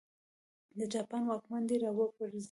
د جاپان واکمن دې را وپرځوي.